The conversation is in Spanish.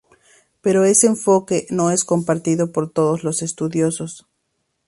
Pero ese enfoque no es compartido por todos los estudiosos.